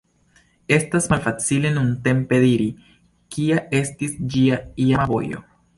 Estas malfacile nuntempe diri, kia estis ĝia iama vojo.